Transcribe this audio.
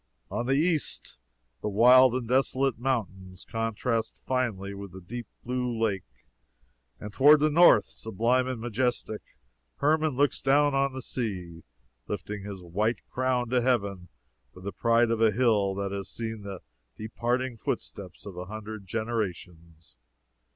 On the east, the wild and desolate mountains contrast finely with the deep blue lake; and toward the north, sublime and majestic, Hermon looks down on the sea, lifting his white crown to heaven with the pride of a hill that has seen the departing footsteps of a hundred generations.